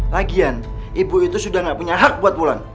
lagian ibu itu sudah gak punya hak buat ulan